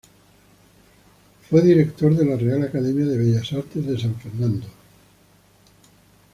Fue director de la Real Academia de Bellas Artes de San Fernando.